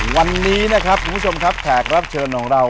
วันนี้นะครับคุณผู้ชมครับแขกรับเชิญของเรา